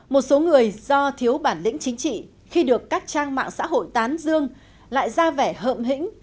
một số người do thiếu bản lĩnh chính trị khi được các trang mạng xã hội tán dương lại ra vẻ hợm hĩnh